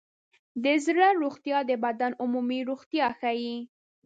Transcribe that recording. د زړه روغتیا د بدن عمومي روغتیا ښيي.